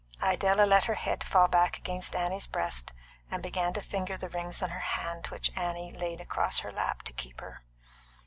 Idella let her head fall back against Annie's breast, and began to finger the rings on the hand which Annie laid across her lap to keep her.